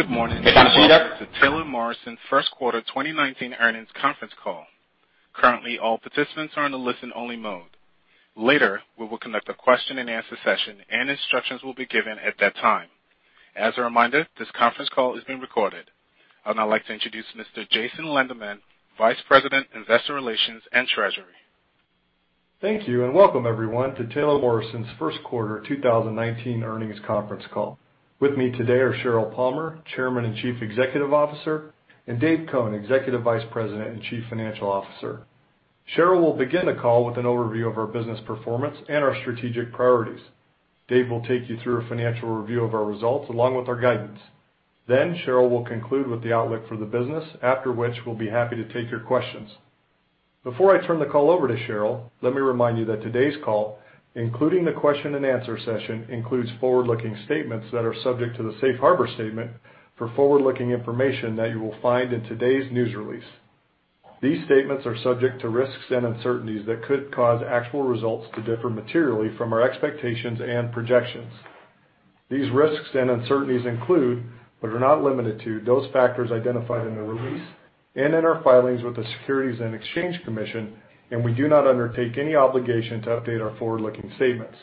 Good morning. This is the Taylor Morrison Q1 2019 Earnings Conference Call. Currently, all participants are in a listen-only mode. Later, we will conduct a question-and-answer session, and instructions will be given at that time. As a reminder, this conference call is being recorded. I'd now like to introduce Mr. Jason Landkamer, Vice President, Investor Relations and Treasury. Thank you and welcome, everyone, to Taylor Morrison's Q1 2019 Earnings Conference Call. With me today are Sheryl Palmer, Chairman and Chief Executive Officer, and Dave Cone, Executive Vice President and Chief Financial Officer. Sheryl will begin the call with an overview of our business performance and our strategic priorities. Dave will take you through a financial review of our results along with our guidance. Then, Sheryl will conclude with the outlook for the business, after which we'll be happy to take your questions. Before I turn the call over to Sheryl, let me remind you that today's call, including the question-and-answer session, includes forward-looking statements that are subject to the Safe Harbor Statement for forward-looking information that you will find in today's news release. These statements are subject to risks and uncertainties that could cause actual results to differ materially from our expectations and projections. These risks and uncertainties include, but are not limited to, those factors identified in the release and in our filings with the Securities and Exchange Commission, and we do not undertake any obligation to update our forward-looking statements.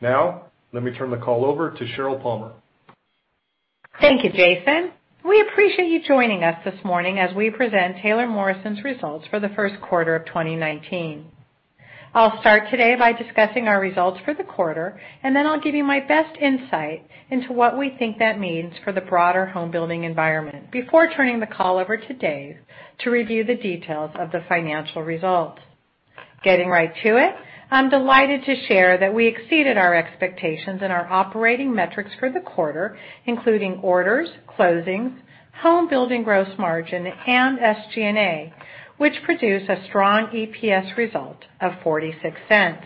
Now, let me turn the call over to Sheryl Palmer. Thank you, Jason. We appreciate you joining us this morning as we present Taylor Morrison's results for the Q1 of 2019. I'll start today by discussing our results for the quarter, and then I'll give you my best insight into what we think that means for the broader homebuilding environment before turning the call over to Dave to review the details of the financial results. Getting right to it, I'm delighted to share that we exceeded our expectations in our operating metrics for the quarter, including orders, closings, homebuilding gross margin, and SG&A, which produce a strong EPS result of $0.46.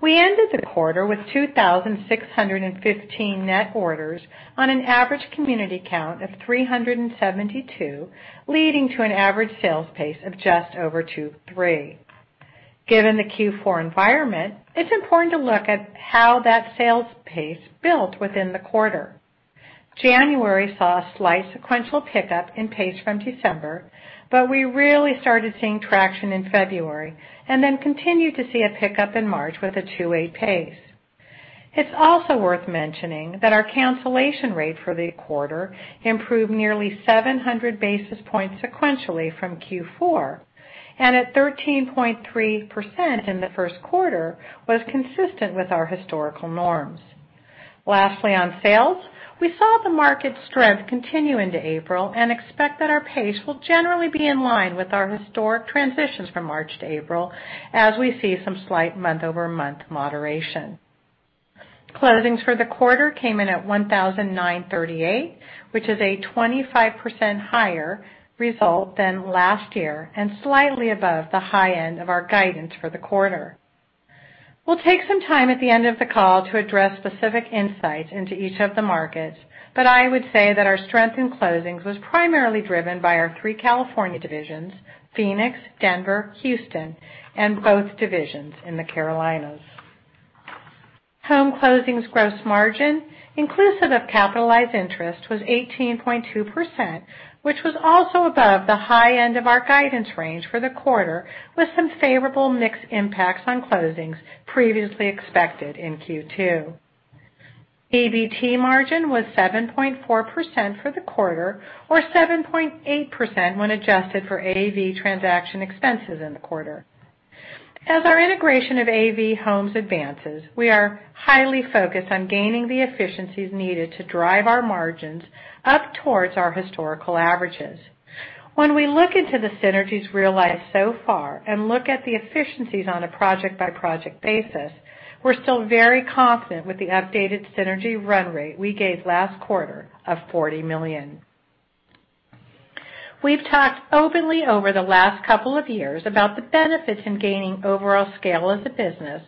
We ended the quarter with 2,615 net orders on an average community count of 372, leading to an average sales pace of just over 2.3. Given the Q4 environment, it's important to look at how that sales pace built within the quarter. January saw a slight sequential pickup in pace from December, but we really started seeing traction in February and then continued to see a pickup in March with a 2.8 pace. It's also worth mentioning that our cancellation rate for the quarter improved nearly 700 basis points sequentially from Q4, and at 13.3% in the Q1, was consistent with our historical norms. Lastly, on sales, we saw the market strength continue into April and expect that our pace will generally be in line with our historic transitions from March-April, as we see some slight month-over-month moderation. Closings for the quarter came in at 1,938, which is a 25% higher result than last year and slightly above the high end of our guidance for the quarter. We'll take some time at the end of the call to address specific insights into each of the markets, but I would say that our strength in closings was primarily driven by our three California divisions: Phoenix, Denver, Houston, and both divisions in the Carolinas. Home closings gross margin, inclusive of capitalized interest, was 18.2%, which was also above the high end of our guidance range for the quarter, with some favorable mixed impacts on closings previously expected in Q2. EBT margin was 7.4% for the quarter, or 7.8% when adjusted for AV transaction expenses in the quarter. As our integration of AV Homes advances, we are highly focused on gaining the efficiencies needed to drive our margins up towards our historical averages. When we look into the synergies realized so far and look at the efficiencies on a project-by-project basis, we're still very confident with the updated synergy run rate we gave last quarter of $40 million. We've talked openly over the last couple of years about the benefits in gaining overall scale as a business,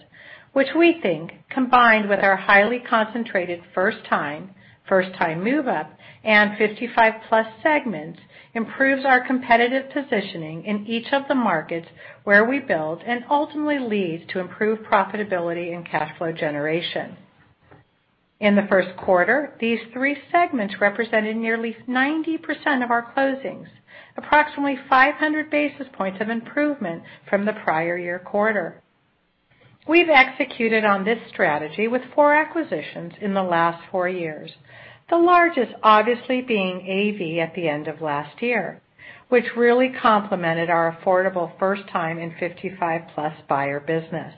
which we think, combined with our highly concentrated first-time, move-up, and 55-plus segments, improves our competitive positioning in each of the markets where we build and ultimately leads to improved profitability and cash flow generation. In the Q1, these three segments represented nearly 90% of our closings, approximately 500 basis points of improvement from the prior year quarter. We've executed on this strategy with four acquisitions in the last four years, the largest obviously being AV at the end of last year, which really complemented our affordable first-time and 55-plus buyer business.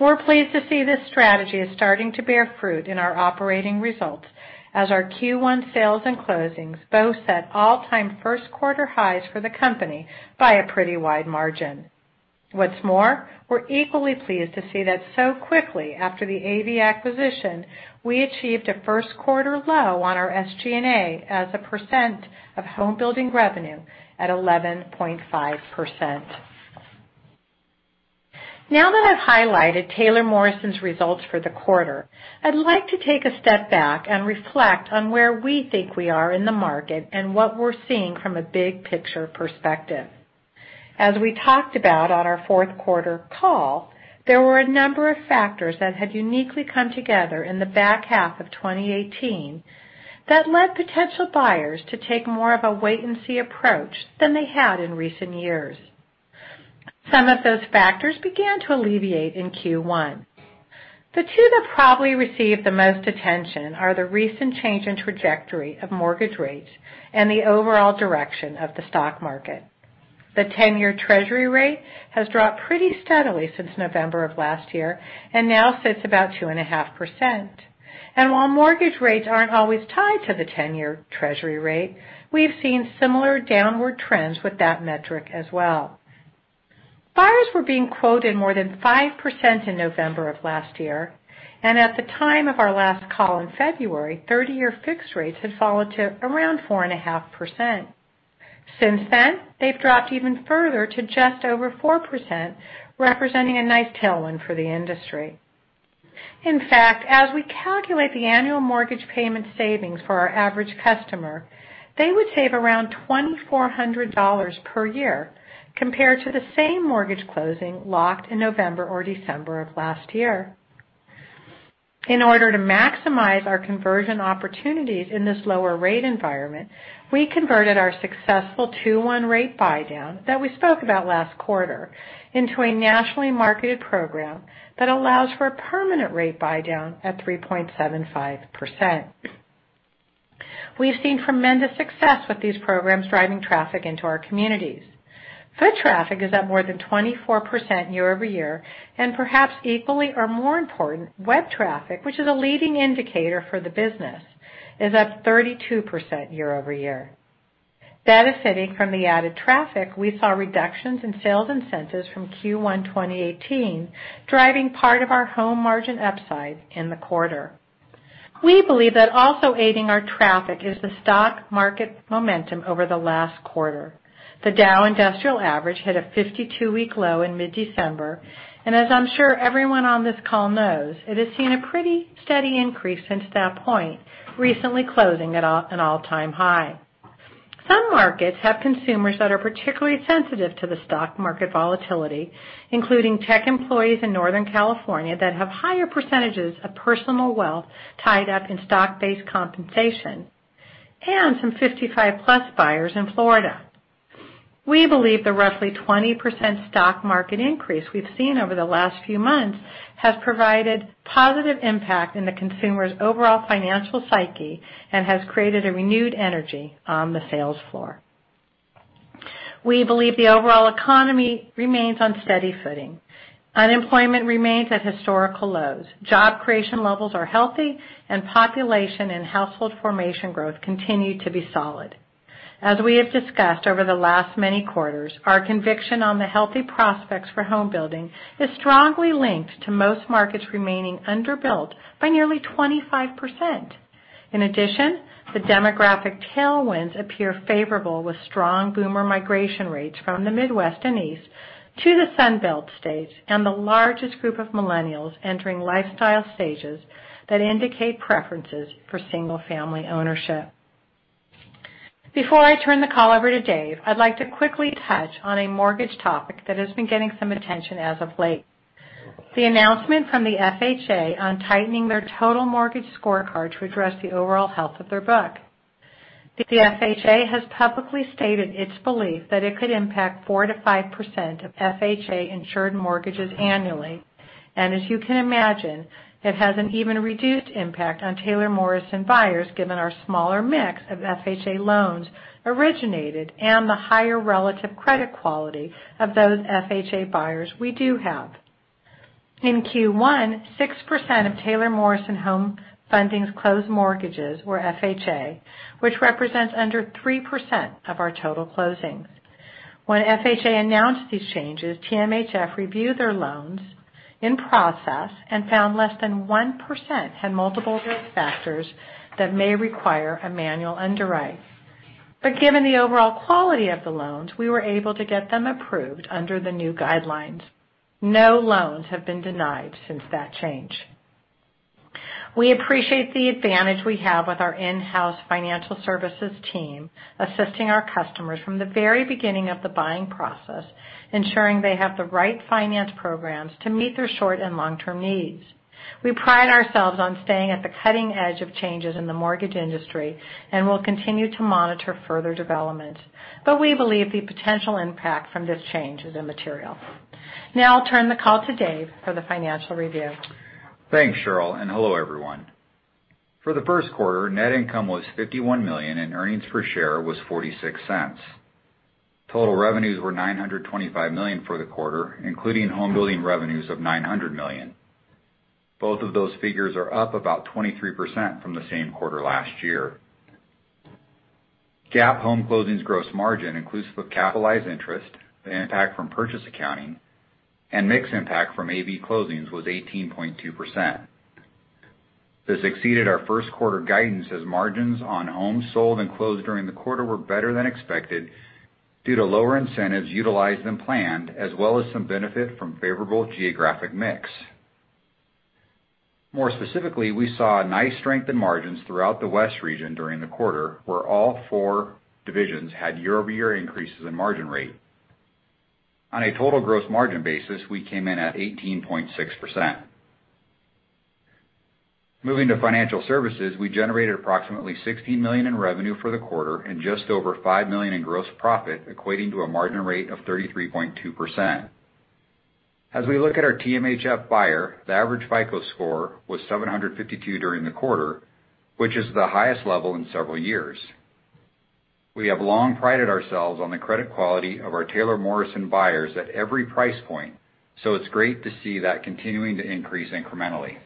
We're pleased to see this strategy is starting to bear fruit in our operating results as our Q1 sales and closings both set all-time Q1 highs for the company by a pretty wide margin. What's more, we're equally pleased to see that so quickly after the AV acquisition, we achieved a Q1 low on our SG&A as a percent of homebuilding revenue at 11.5%. Now that I've highlighted Taylor Morrison's results for the quarter, I'd like to take a step back and reflect on where we think we are in the market and what we're seeing from a big picture perspective. As we talked about on our Q4 Call, there were a number of factors that had uniquely come together in the back half of 2018 that led potential buyers to take more of a wait-and-see approach than they had in recent years. Some of those factors began to alleviate in Q1. The two that probably received the most attention are the recent change in trajectory of mortgage rates and the overall direction of the stock market. The 10-year Treasury rate has dropped pretty steadily since November of last year and now sits about 2.5%. And while mortgage rates aren't always tied to the 10-year Treasury rate, we've seen similar downward trends with that metric as well. Buyers were being quoted more than 5% in November of last year, and at the time of our last call in February, 30-year fixed rates had fallen to around 4.5%. Since then, they've dropped even further to just over 4%, representing a nice tailwind for the industry. In fact, as we calculate the annual mortgage payment savings for our average customer, they would save around $2,400 per year compared to the same mortgage closing locked in November or December of last year. In order to maximize our conversion opportunities in this lower rate environment, we converted our successful 2-1 rate buy-down that we spoke about last quarter into a nationally marketed program that allows for a permanent rate buy-down at 3.75%. We've seen tremendous success with these programs driving traffic into our communities. Foot traffic is up more than 24% year-over-year, and perhaps equally or more important, web traffic, which is a leading indicator for the business, is up 32% year-over-year. That is fitting. From the added traffic we saw reductions in sales and incentives from Q1 2018, driving part of our home margin upside in the quarter. We believe that also aiding our traffic is the stock market momentum over the last quarter. The Dow Industrial Average hit a 52-week low in mid-December, and as I'm sure everyone on this call knows, it has seen a pretty steady increase since that point, recently closing at an all-time high. Some markets have consumers that are particularly sensitive to the stock market volatility, including tech employees in Northern California that have higher percentages of personal wealth tied up in stock-based compensation, and some 55-plus buyers in Florida. We believe the roughly 20% stock market increase we've seen over the last few months has provided a positive impact in the consumer's overall financial psyche and has created a renewed energy on the sales floor. We believe the overall economy remains on steady footing. Unemployment remains at historical lows, job creation levels are healthy, and population and household formation growth continue to be solid. As we have discussed over the last many quarters, our conviction on the healthy prospects for homebuilding is strongly linked to most markets remaining underbuilt by nearly 25%. In addition, the demographic tailwinds appear favorable with strong boomer migration rates from the Midwest and East to the Sunbelt states and the largest group of millennials entering lifestyle stages that indicate preferences for single-family ownership. Before I turn the call over to Dave, I'd like to quickly touch on a mortgage topic that has been getting some attention as of late: the announcement from the FHA on tightening their total mortgage scorecard to address the overall health of their book. The FHA has publicly stated its belief that it could impact 4%-5% of FHA-insured mortgages annually, and as you can imagine, it has an even reduced impact on Taylor Morrison buyers given our smaller mix of FHA loans originated and the higher relative credit quality of those FHA buyers we do have. In Q1, 6% of Taylor Morrison Home Funding's closed mortgages were FHA, which represents under 3% of our total closings. When FHA announced these changes, TMHF reviewed their loans in process and found less than 1% had multiple risk factors that may require a manual underwrite. But given the overall quality of the loans, we were able to get them approved under the new guidelines. No loans have been denied since that change. We appreciate the advantage we have with our in-house financial services team assisting our customers from the very beginning of the buying process, ensuring they have the right finance programs to meet their short and long-term needs. We pride ourselves on staying at the cutting edge of changes in the mortgage industry and will continue to monitor further developments, but we believe the potential impact from this change is immaterial. Now I'll turn the call to Dave for the financial review. Thanks, Sheryl, and hello everyone. For the Q1, net income was $51 million and earnings per share was $0.46. Total revenues were $925 million for the quarter, including homebuilding revenues of $900 million. Both of those figures are up about 23% from the same quarter last year. GAAP home closings gross margin, inclusive of capitalized interest, the impact from purchase accounting, and mixed impact from AV closings was 18.2%. This exceeded our first quarter guidance as margins on homes sold and closed during the quarter were better than expected due to lower incentives utilized than planned, as well as some benefit from favorable geographic mix. More specifically, we saw a nice strength in margins throughout the West region during the quarter where all four divisions had year-over-year increases in margin rate. On a total gross margin basis, we came in at 18.6%. Moving to financial services, we generated approximately $16 million in revenue for the quarter and just over $5 million in gross profit, equating to a margin rate of 33.2%. As we look at our TMHF buyer, the average FICO score was 752 during the quarter, which is the highest level in several years. We have long prided ourselves on the credit quality of our Taylor Morrison buyers at every price point, so it's great to see that continuing to increase incrementally.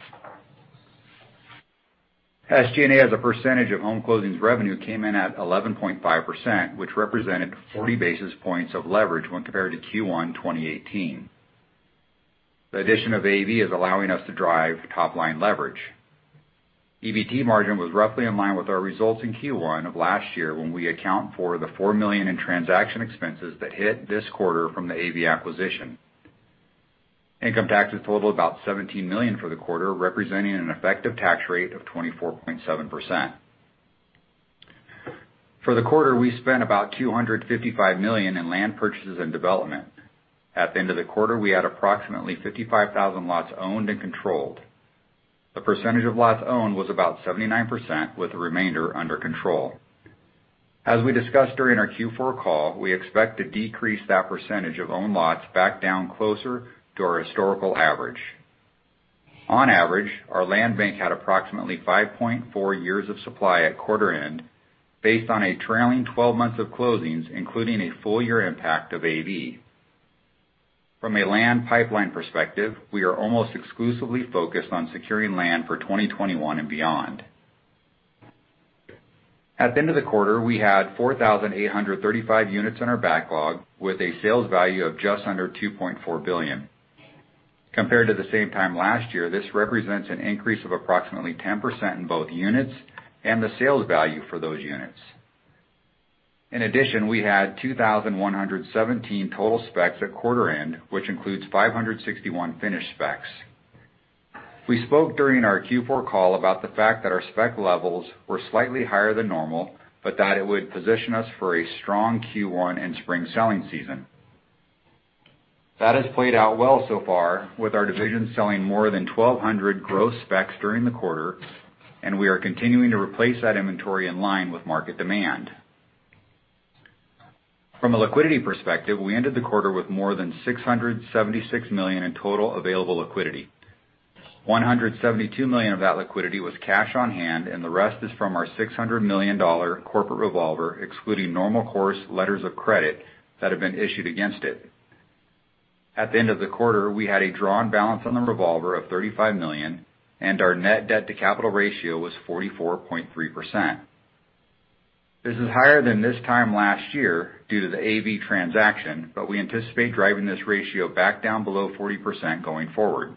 SG&A as a percentage of home closings revenue came in at 11.5%, which represented 40 basis points of leverage when compared to Q1 2018. The addition of AV is allowing us to drive top-line leverage. EBT margin was roughly in line with our results in Q1 of last year when we account for the $4 million in transaction expenses that hit this quarter from the AV acquisition. Income taxes totaled about $17 million for the quarter, representing an effective tax rate of 24.7%. For the quarter, we spent about $255 million in land purchases and development. At the end of the quarter, we had approximately 55,000 lots owned and controlled. The percentage of lots owned was about 79%, with the remainder under control. As we discussed during our Q4 Call, we expect to decrease that percentage of owned lots back down closer to our historical average. On average, our land bank had approximately 5.4 years of supply at quarter end, based on a trailing 12 months of closings, including a full-year impact of AV. From a land pipeline perspective, we are almost exclusively focused on securing land for 2021 and beyond. At the end of the quarter, we had 4,835 units in our backlog, with a sales value of just under $2.4 billion. Compared to the same time last year, this represents an increase of approximately 10% in both units and the sales value for those units. In addition, we had 2,117 total specs at quarter end, which includes 561 finished specs. We spoke during our Q4 Call about the fact that our spec levels were slightly higher than normal, but that it would position us for a strong Q1 and spring selling season. That has played out well so far, with our division selling more than 1,200 gross specs during the quarter, and we are continuing to replace that inventory in line with market demand. From a liquidity perspective, we ended the quarter with more than $676 million in total available liquidity. $172 million of that liquidity was cash on hand, and the rest is from our $600 million corporate revolver, excluding normal course letters of credit that have been issued against it. At the end of the quarter, we had a drawn balance on the revolver of $35 million, and our net debt-to-capital ratio was 44.3%. This is higher than this time last year due to the AV transaction, but we anticipate driving this ratio back down below 40% going forward.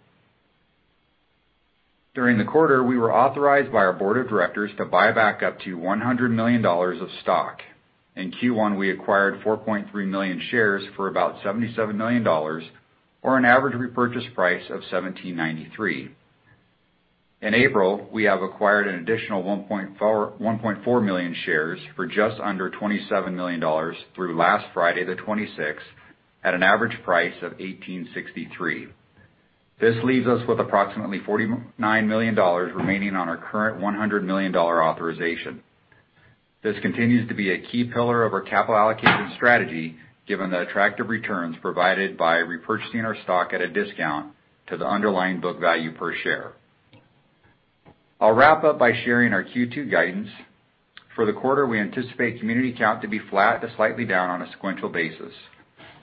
During the quarter, we were authorized by our board of directors to buy back up to $100 million of stock. In Q1, we acquired 4.3 million shares for about $77 million, or an average repurchase price of $1,793. In April, we have acquired an additional 1.4 million shares for just under $27 million through last Friday, the 26th, at an average price of $1,863. This leaves us with approximately $49 million remaining on our current $100 million authorization. This continues to be a key pillar of our capital allocation strategy, given the attractive returns provided by repurchasing our stock at a discount to the underlying book value per share. I'll wrap up by sharing our Q2 guidance. For the quarter, we anticipate community count to be flat to slightly down on a sequential basis.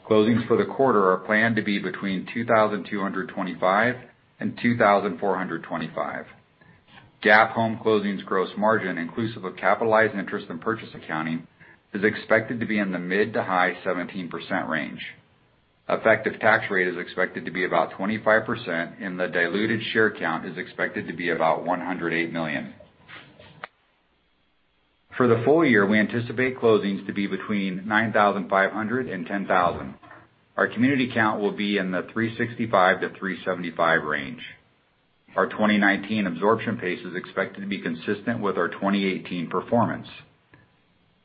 Closings for the quarter are planned to be between 2,225 and 2,425. GAAP home closings gross margin, inclusive of capitalized interest and purchase accounting, is expected to be in the mid to high 17% range. Effective tax rate is expected to be about 25%, and the diluted share count is expected to be about 108 million. For the full year, we anticipate closings to be between 9,500 and 10,000. Our community count will be in the 365-375 range. Our 2019 absorption pace is expected to be consistent with our 2018 performance.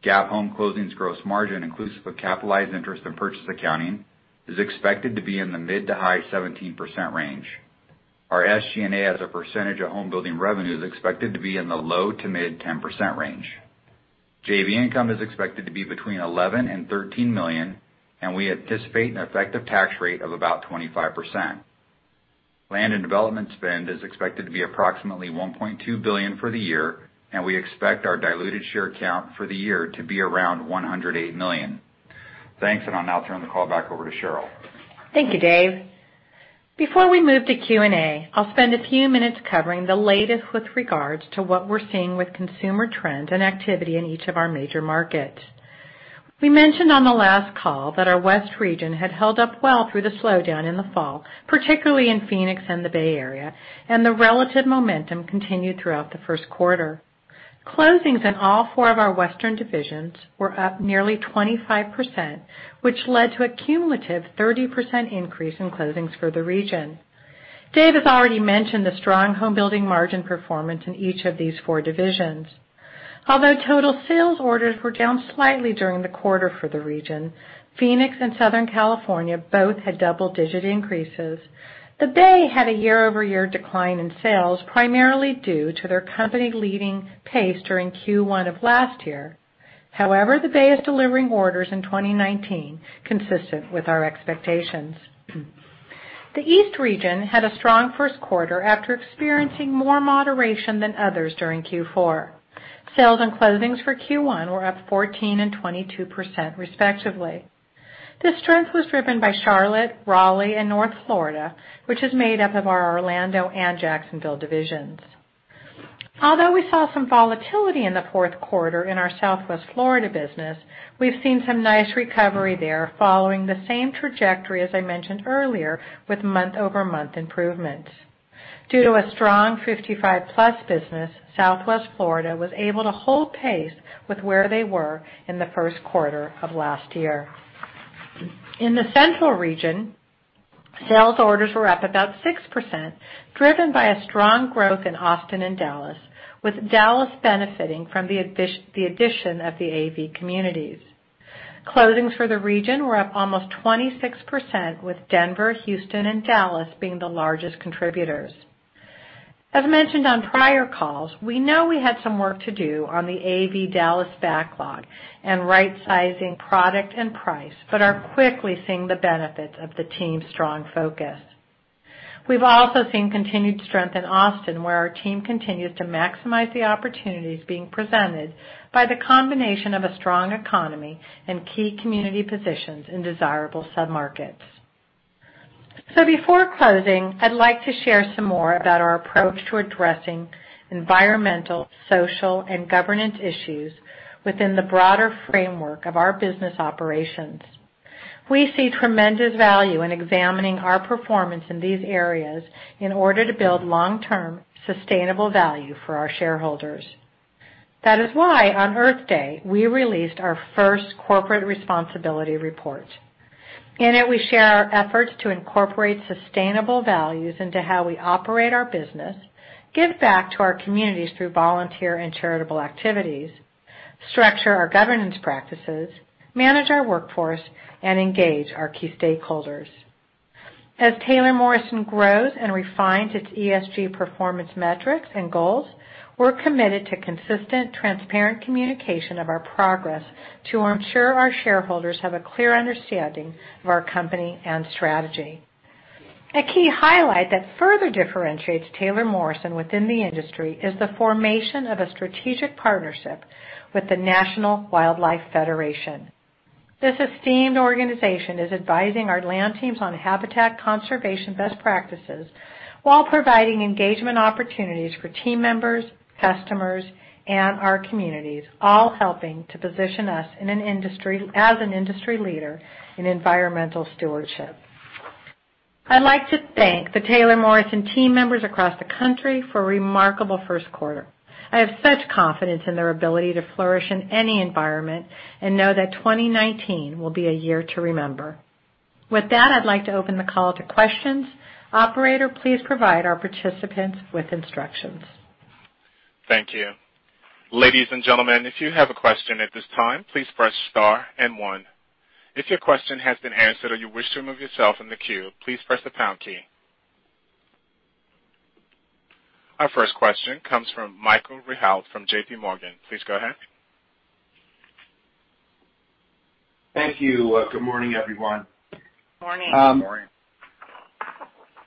GAAP home closings gross margin, inclusive of capitalized interest and purchase accounting, is expected to be in the mid- to high-17% range. Our SG&A as a percentage of homebuilding revenue is expected to be in the low- to mid-10% range. JV income is expected to be between 11 and 13 million, and we anticipate an effective tax rate of about 25%. Land and development spend is expected to be approximately $1.2 billion for the year, and we expect our diluted share count for the year to be around $108 million. Thanks, and I'll now turn the call back over to Sheryl. Thank you, Dave. Before we move to Q&A, I'll spend a few minutes covering the latest with regards to what we're seeing with consumer trends and activity in each of our major markets. We mentioned on the last call that our West region had held up well through the slowdown in the fall, particularly in Phoenix and the Bay Area, and the relative momentum continued throughout the Q1. Closings in all four of our Western divisions were up nearly 25%, which led to a cumulative 30% increase in closings for the region. Dave has already mentioned the strong homebuilding margin performance in each of these four divisions. Although total sales orders were down slightly during the quarter for the region, Phoenix and Southern California both had double-digit increases. The Bay had a year-over-year decline in sales, primarily due to their company-leading pace during Q1 of last year. However, the Bay Area is delivering orders in 2019 consistent with our expectations. The East region had a strong Q1 after experiencing more moderation than others during Q4. Sales and closings for Q1 were up 14% and 22%, respectively. This strength was driven by Charlotte, Raleigh, and North Florida, which is made up of our Orlando and Jacksonville divisions. Although we saw some volatility in the Q4 in our Southwest Florida business, we've seen some nice recovery there following the same trajectory as I mentioned earlier with month-over-month improvements. Due to a strong 55-plus business, Southwest Florida was able to hold pace with where they were in the Q1 of last year. In the Central region, sales orders were up about 6%, driven by a strong growth in Austin and Dallas, with Dallas benefiting from the addition of the AV communities. Closings for the region were up almost 26%, with Denver, Houston, and Dallas being the largest contributors. As mentioned on prior calls, we know we had some work to do on the AV Dallas backlog and right-sizing product and price, but are quickly seeing the benefits of the team's strong focus. We've also seen continued strength in Austin, where our team continues to maximize the opportunities being presented by the combination of a strong economy and key community positions in desirable submarkets. So before closing, I'd like to share some more about our approach to addressing environmental, social, and governance issues within the broader framework of our business operations. We see tremendous value in examining our performance in these areas in order to build long-term sustainable value for our shareholders. That is why on Earth Day, we released our first corporate responsibility report. In it, we share our efforts to incorporate sustainable values into how we operate our business, give back to our communities through volunteer and charitable activities, structure our governance practices, manage our workforce, and engage our key stakeholders. As Taylor Morrison grows and refines its ESG performance metrics and goals, we're committed to consistent, transparent communication of our progress to ensure our shareholders have a clear understanding of our company and strategy. A key highlight that further differentiates Taylor Morrison within the industry is the formation of a strategic partnership with the National Wildlife Federation. This esteemed organization is advising our land teams on habitat conservation best practices while providing engagement opportunities for team members, customers, and our communities, all helping to position us as an industry leader in environmental stewardship. I'd like to thank the Taylor Morrison team members across the country for a remarkable Q1. I have such confidence in their ability to flourish in any environment and know that 2019 will be a year to remember. With that, I'd like to open the call to questions. Operator, please provide our participants with instructions. Thank you. Ladies and gentlemen, if you have a question at this time, please press star and one. If your question has been answered or you wish to remove yourself from the queue, please press the pound key. Our first question comes from Michael Rehaut from JPMorgan. Please go ahead. Thank you. Good morning, everyone. Good morning. Good morning.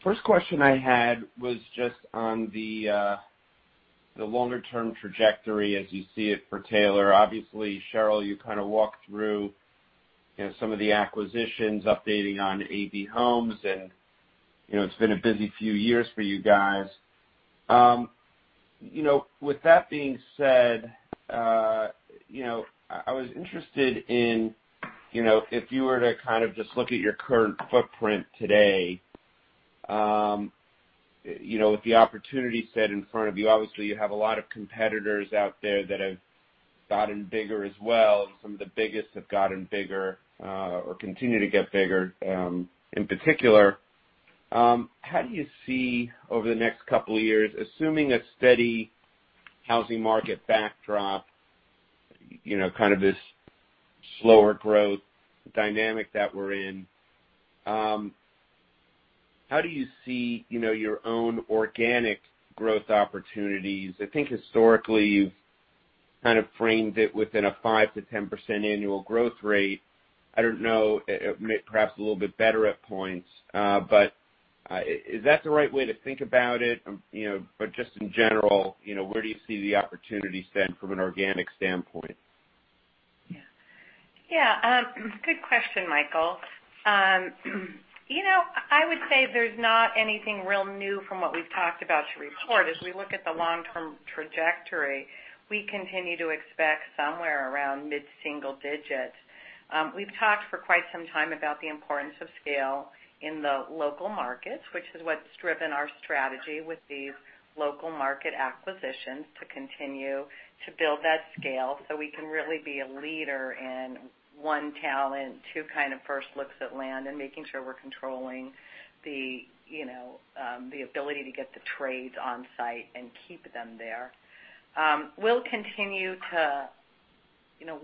First question I had was just on the longer-term trajectory as you see it for Taylor. Obviously, Sheryl, you kind of walked through some of the acquisitions, updating on AV Homes, and it's been a busy few years for you guys. With that being said, I was interested in if you were to kind of just look at your current footprint today, with the opportunity set in front of you, obviously, you have a lot of competitors out there that have gotten bigger as well, and some of the biggest have gotten bigger or continue to get bigger in particular. How do you see over the next couple of years, assuming a steady housing market backdrop, kind of this slower growth dynamic that we're in, how do you see your own organic growth opportunities? I think historically, you've kind of framed it within a five to 10% annual growth rate. I don't know, perhaps a little bit better at points, but is that the right way to think about it? But just in general, where do you see the opportunity spend from an organic standpoint? Yeah. Yeah. Good question, Michael. I would say there's not anything real new from what we've talked about to report. As we look at the long-term trajectory, we continue to expect somewhere around mid-single digits. We've talked for quite some time about the importance of scale in the local markets, which is what's driven our strategy with these local market acquisitions to continue to build that scale so we can really be a leader in one talent, two kind of first looks at land, and making sure we're controlling the ability to get the trades on site and keep them there. We'll continue to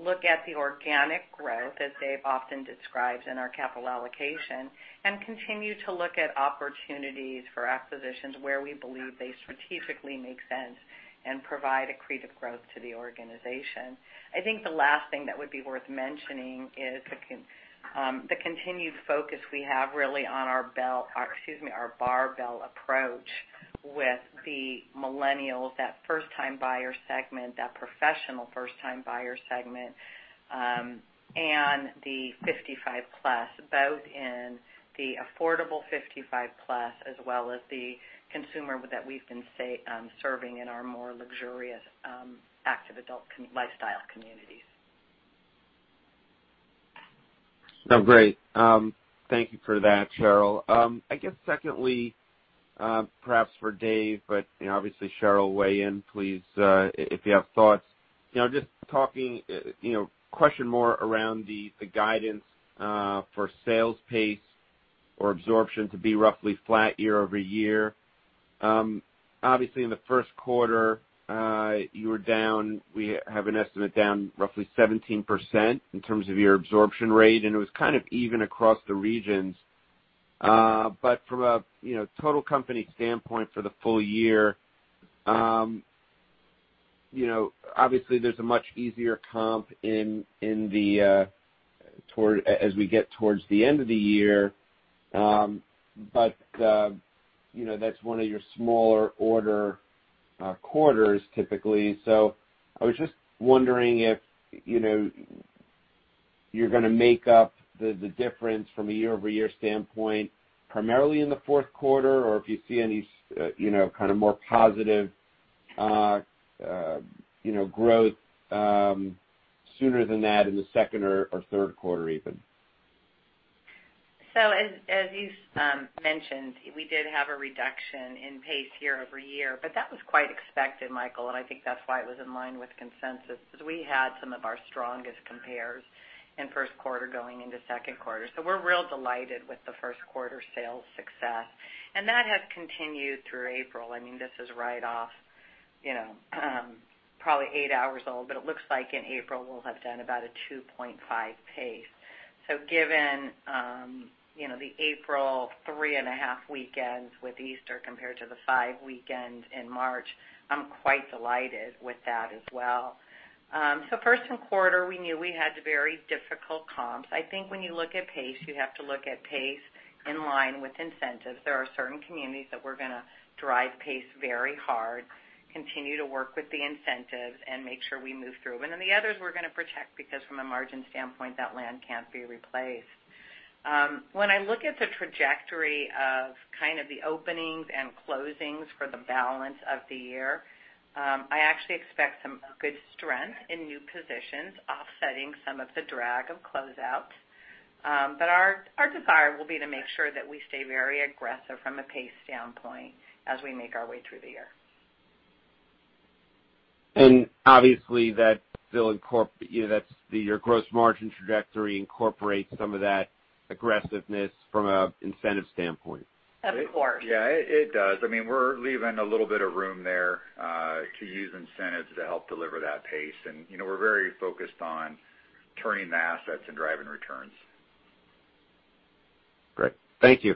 look at the organic growth, as Dave often describes in our capital allocation, and continue to look at opportunities for acquisitions where we believe they strategically make sense and provide a creative growth to the organization. I think the last thing that would be worth mentioning is the continued focus we have really on our barbell approach with the millennials, that first-time buyer segment, that professional first-time buyer segment, and the 55-plus, both in the affordable 55-plus as well as the consumer that we've been serving in our more luxurious active adult lifestyle communities. Sounds great. Thank you for that, Sheryl. I guess secondly, perhaps for Dave, but obviously, Sheryl, weigh in, please, if you have thoughts. Just talking question more around the guidance for sales pace or absorption to be roughly flat year-over-year. Obviously, in the Q1, you were down; we have an estimate down roughly 17% in terms of your absorption rate, and it was kind of even across the regions. But from a total company standpoint for the full year, obviously, there's a much easier comp as we get towards the end of the year, but that's one of your smaller order quarters, typically. So I was just wondering if you're going to make up the difference from a year-over-year standpoint, primarily in the Q4, or if you see any kind of more positive growth sooner than that in the Q2 or Q3 even. So, as you mentioned, we did have a reduction in pace year-over-year, but that was quite expected, Michael, and I think that's why it was in line with consensus because we had some of our strongest compares in Q1 going into Q2. So we're real delighted with the Q1 sales success, and that has continued through April. I mean, this is right off probably eight hours old, but it looks like in April, we'll have done about a 2.5 pace. So given the April three-and-a-half weekends with Easter compared to the five weekends in March, I'm quite delighted with that as well. So Q1, we knew we had very difficult comps. I think when you look at pace, you have to look at pace in line with incentives. There are certain communities that we're going to drive pace very hard, continue to work with the incentives, and make sure we move through, and then the others, we're going to protect because from a margin standpoint, that land can't be replaced. When I look at the trajectory of kind of the openings and closings for the balance of the year, I actually expect some good strength in new positions, offsetting some of the drag of closeouts, but our desire will be to make sure that we stay very aggressive from a pace standpoint as we make our way through the year. And obviously, that's still your gross margin trajectory incorporates some of that aggressiveness from an incentive standpoint. Of course. Yeah, it does. I mean, we're leaving a little bit of room there to use incentives to help deliver that pace, and we're very focused on turning the assets and driving returns. Great. Thank you.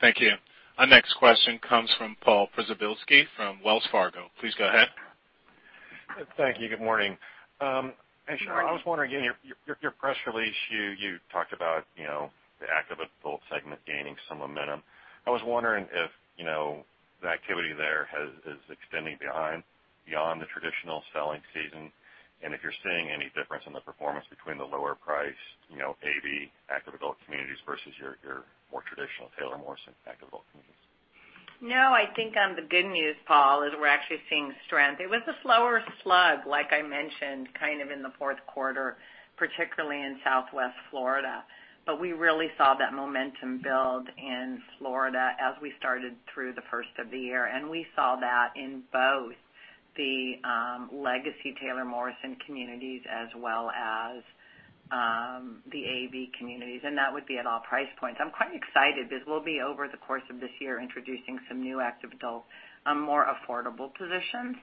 Thank you. Our next question comes from Paul Przybylski from Wells Fargo. Please go ahead. Thank you. Good morning. I was wondering again, your press release, you talked about the active adult segment gaining some momentum. I was wondering if the activity there is extending beyond the traditional selling season and if you're seeing any difference in the performance between the lower-priced AV active adult communities versus your more traditional Taylor Morrison active adult communities? No, I think the good news, Paul, is we're actually seeing strength. It was a slow start, like I mentioned, kind of in the Q4 particularly in Southwest Florida, but we really saw that momentum build in Florida as we started through the first of the year, and we saw that in both the legacy Taylor Morrison communities as well as the AV communities, and that would be at all price points. I'm quite excited because we'll be over the course of this year introducing some new active adult, more affordable positions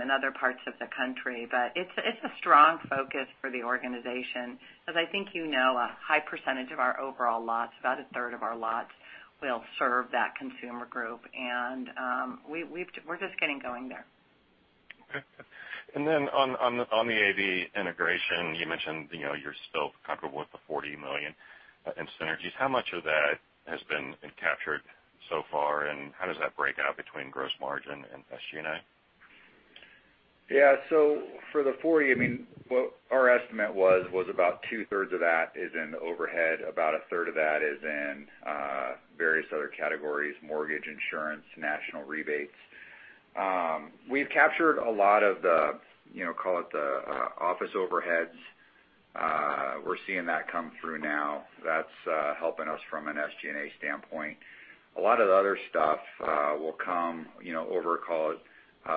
in other parts of the country. But it's a strong focus for the organization. As I think you know, a high percentage of our overall lots, about a third of our lots, will serve that consumer group, and we're just getting going there. And then on the AV integration, you mentioned you're still comfortable with the $40 million in synergies. How much of that has been captured so far, and how does that break out between gross margin and SG&A? Yeah. So for the $40, I mean, what our estimate was, was about two-thirds of that is in overhead, about a third of that is in various other categories: mortgage, insurance, national rebates. We've captured a lot of the, call it the office overheads. We're seeing that come through now. That's helping us from an SG&A standpoint. A lot of the other stuff will come over, call it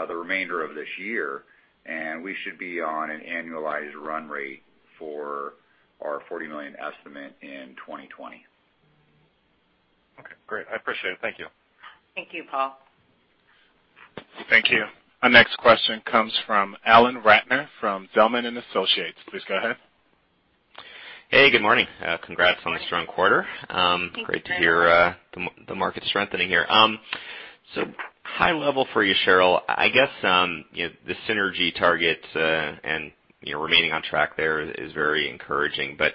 the remainder of this year, and we should be on an annualized run rate for our $40 million estimate in 2020. Okay. Great. I appreciate it. Thank you. Thank you, Paul. Thank you. Our next question comes from Alan Ratner from Zelman & Associates. Please go ahead. Hey, good morning. Congrats on the strong quarter. Thank you. Great to hear the market strengthening here. So high level for you, Sheryl, I guess the synergy targets and remaining on track there is very encouraging, but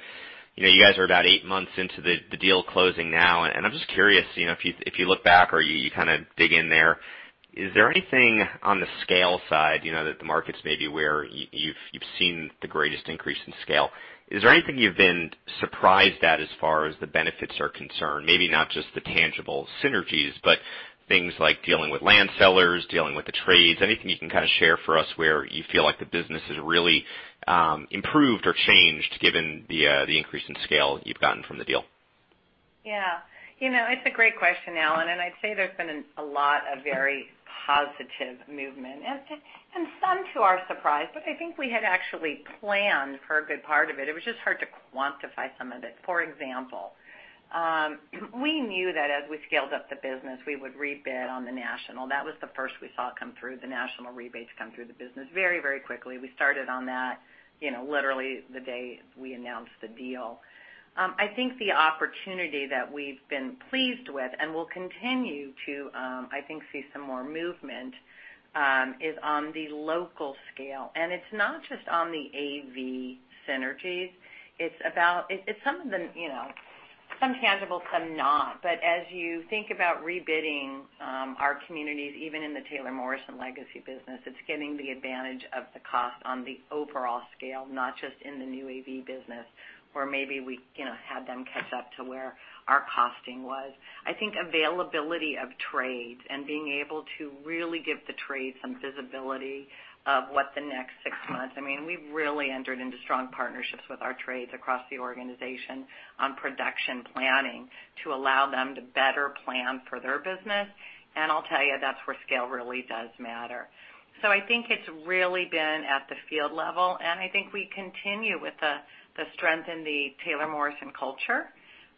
you guys are about eight months into the deal closing now, and I'm just curious, if you look back or you kind of dig in there, is there anything on the scale side that the markets may be where you've seen the greatest increase in scale? Is there anything you've been surprised at as far as the benefits are concerned? Maybe not just the tangible synergies, but things like dealing with land sellers, dealing with the trades, anything you can kind of share for us where you feel like the business has really improved or changed given the increase in scale you've gotten from the deal? Yeah. It's a great question, Alan, and I'd say there's been a lot of very positive movement and some to our surprise, but I think we had actually planned for a good part of it. It was just hard to quantify some of it. For example, we knew that as we scaled up the business, we would rebid on the national. That was the first we saw come through, the national rebates come through the business very, very quickly. We started on that literally the day we announced the deal. I think the opportunity that we've been pleased with and will continue to, I think, see some more movement is on the local scale. And it's not just on the AV synergies. It's some of them some tangible, some not. But as you think about rebidding our communities, even in the Taylor Morrison legacy business, it's getting the advantage of the cost on the overall scale, not just in the new AV business where maybe we had them catch up to where our costing was. I think availability of trades and being able to really give the trades some visibility of what the next six months, I mean, we've really entered into strong partnerships with our trades across the organization on production planning to allow them to better plan for their business. And I'll tell you, that's where scale really does matter. So I think it's really been at the field level, and I think we continue with the strength in the Taylor Morrison culture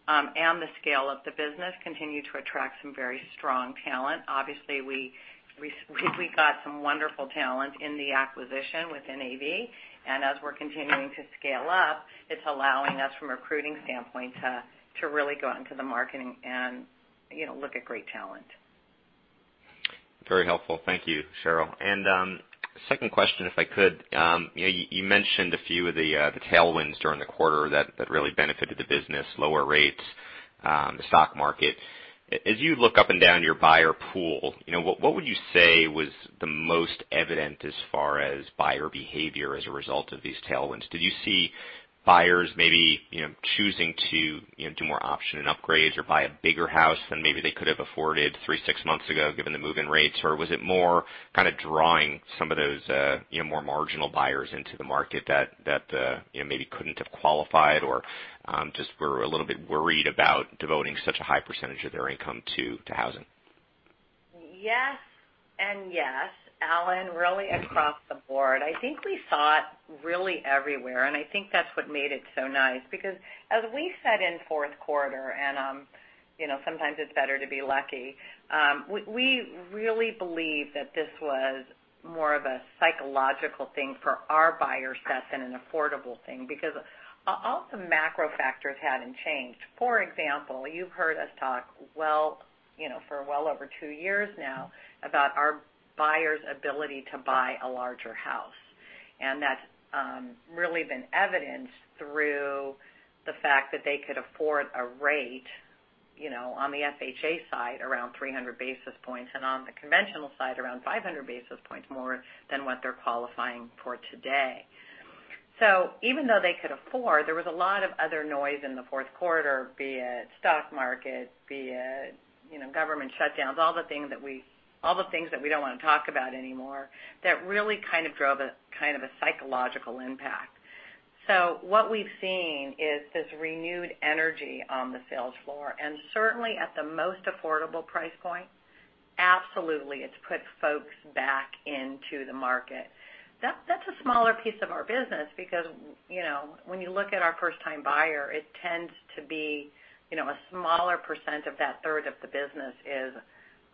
and the scale of the business continue to attract some very strong talent. Obviously, we got some wonderful talent in the acquisition within AV, and as we're continuing to scale up, it's allowing us, from a recruiting standpoint, to really go out into the market and look at great talent. Very helpful. Thank you, Sheryl. And second question, if I could, you mentioned a few of the tailwinds during the quarter that really benefited the business: lower rates, the stock market. As you look up and down your buyer pool, what would you say was the most evident as far as buyer behavior as a result of these tailwinds? Did you see buyers maybe choosing to do more options and upgrades or buy a bigger house than maybe they could have afforded three, six months ago, given the mortgage rates? Or was it more kind of drawing some of those more marginal buyers into the market that maybe couldn't have qualified or just were a little bit worried about devoting such a high percentage of their income to housing? Yes and yes, Alan, really across the board. I think we saw it really everywhere, and I think that's what made it so nice because as we said in Q4 and sometimes it's better to be lucky, we really believe that this was more of a psychological thing for our buyer set than an affordable thing because all the macro factors hadn't changed. For example, you've heard us talk for well over two years now about our buyers' ability to buy a larger house, and that's really been evidenced through the fact that they could afford a rate on the FHA side around 300 basis points and on the conventional side around 500 basis points more than what they're qualifying for today. So even though they could afford, there was a lot of other noise in the Q4, be it stock market, be it government shutdowns, all the things that we don't want to talk about anymore, that really kind of drove a kind of a psychological impact. So what we've seen is this renewed energy on the sales floor, and certainly at the most affordable price point, absolutely, it's put folks back into the market. That's a smaller piece of our business because when you look at our first-time buyer, it tends to be a smaller percent of that third of the business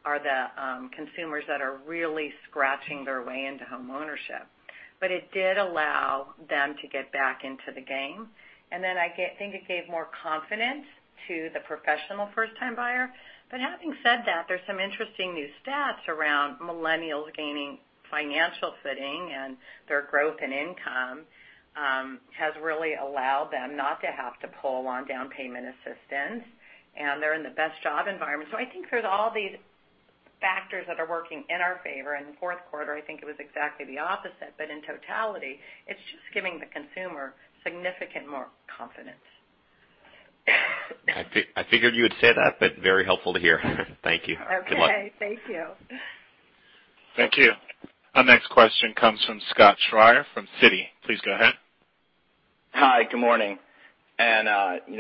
are the consumers that are really scratching their way into homeownership. But it did allow them to get back into the game, and then I think it gave more confidence to the professional first-time buyer. But having said that, there's some interesting new stats around millennials gaining financial footing, and their growth in income has really allowed them not to have to rely on down payment assistance, and they're in the best job environment. So I think there's all these factors that are working in our favor. In Q4, I think it was exactly the opposite, but in totality, it's just giving the consumer significant more confidence. I figured you would say that, but very helpful to hear. Thank you. Okay. Thank you. Thank you. Our next question comes from Scott Schrier from Citi. Please go ahead. Hi. Good morning. And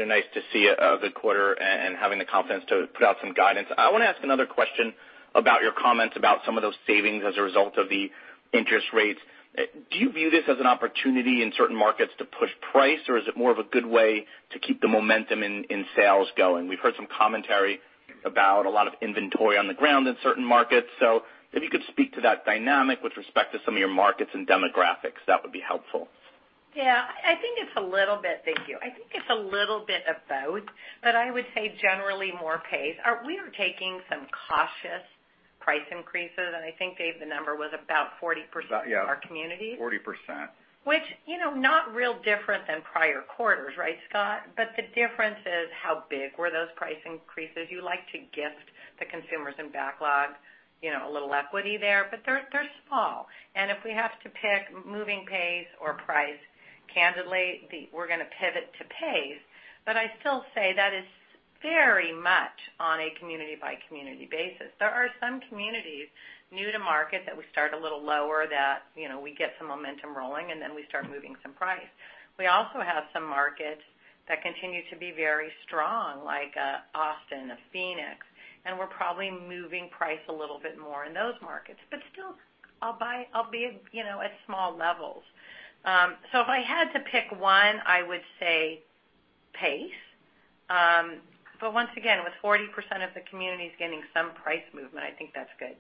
nice to see a good quarter and having the confidence to put out some guidance. I want to ask another question about your comments about some of those savings as a result of the interest rates. Do you view this as an opportunity in certain markets to push price, or is it more of a good way to keep the momentum in sales going? We've heard some commentary about a lot of inventory on the ground in certain markets. So if you could speak to that dynamic with respect to some of your markets and demographics, that would be helpful. Yeah. I think it's a little bit, thank you. I think it's a little bit of both, but I would say generally more pace. We are taking some cautious price increases, and I think Dave, the number was about 40% of our community. Yeah. 40%. Which is not really different than prior quarters, right, Scott? But the difference is how big were those price increases. You like to gift the consumers and backlog a little equity there, but they're small. And if we have to pick moving pace or price, candidly, we're going to pivot to pace. But I still say that is very much on a community-by-community basis. There are some communities new to market that we start a little lower that we get some momentum rolling, and then we start moving some price. We also have some markets that continue to be very strong, like Austin, Phoenix, and the Carolinas, we're probably moving price a little bit more in those markets. But still, it'll be at small levels. So if I had to pick one, I would say pace. But once again, with 40% of the communities getting some price movement, I think that's good.